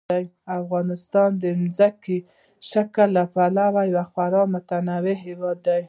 افغانستان د ځمکني شکل له پلوه یو خورا متنوع هېواد دی.